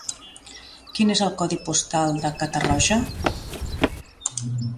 Quin és el codi postal de Catarroja?